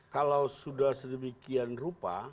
kalau sudah sedemikian rupa